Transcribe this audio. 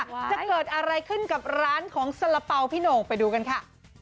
จะเกิดอะไรขึ้นกับร้านของสละเป๋าพี่โหน่งไปดูกันค่ะ